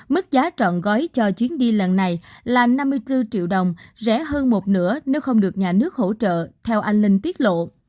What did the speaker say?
mức giá trọn gói cho chuyến đi lần này là năm mươi bốn triệu đồng rẻ hơn một nửa nếu không được nhà nước hỗ trợ theo anh linh tiết lộ